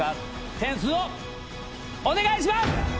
点数をお願いします！